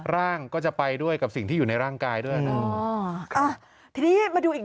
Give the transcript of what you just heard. ร่างก็จะไปด้วยกับสิ่งที่อยู่ในร่างกายด้วย